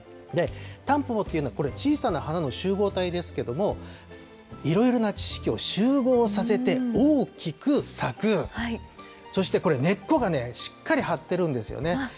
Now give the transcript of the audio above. タンポポっていうのは、これ、小さな花の集合体ですけれども、いろいろな知識を集合させて大きく咲く、そしてこれ、根っこがね、しっかり張ってるんですよね。